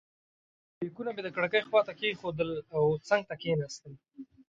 بیکونه مې د کړکۍ خواته کېښودل او څنګ ته کېناستم.